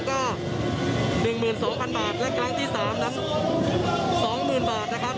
ก็หนึ่งหมื่นสองพันบาทและกำลังที่สามนั้นสองหมื่นบาทนะครับ